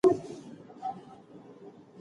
کورنۍ او ټولنیز جوړښتونه بدلېږي.